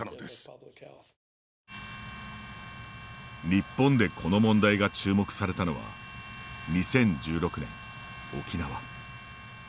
日本で、この問題が注目されたのは２０１６年、沖縄。